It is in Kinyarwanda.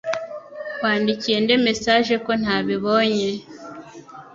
Wandikiye nde mesaje ko nta bibonya?